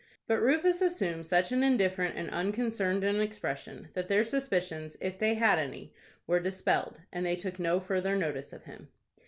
But Rufus assumed such an indifferent and unconcerned an expression, that their suspicions, if they had any, were dispelled, and they took no further notice of him.